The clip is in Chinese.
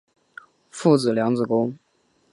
祖父梁子恭。